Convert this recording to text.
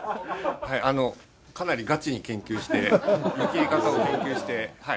かなりガチに研究して湯切り方を研究してはい。